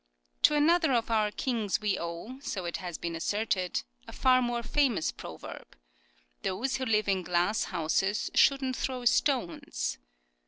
To another of our kings we owe, so it has been asserted, a far more famous proverb, " Those who live in glass houses shouldn't throw stones."